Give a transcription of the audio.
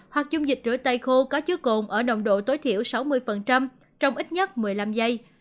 hoặc dung dịch rửa tay khô có chứa cồn ở nồng độ tối thiểu sáu mươi trong ít nhất một mươi năm giây